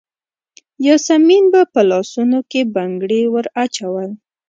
یاسمین به په لاسونو کې بنګړي وراچول.